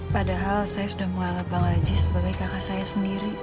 padahal saya sudah mengalah bang aji sebagai kakak saya sendiri